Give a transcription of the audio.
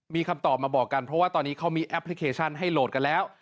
มีคำตอบมาบอกกันเพราะว่าตอนนี้เขามีแอปพลิเคชันให้โหลดกันแล้ว